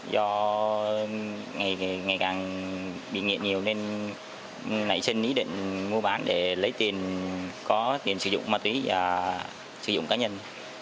do ngày càng bị nghiện nhiều nên nảy sinh ý định mua bán để lấy tiền có tiền sử dụng ma túy và sử dụng cá nhân